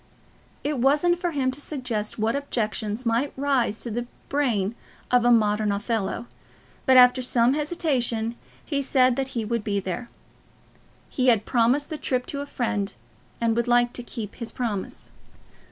It wasn't for him to suggest what objections might rise to the brain of a modern Othello; but after some hesitation he said that he would be there. He had promised the trip to a friend, and would like to keep his promise.